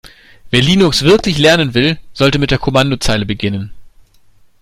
Wer Linux wirklich lernen will, sollte mit der Kommandozeile beginnen.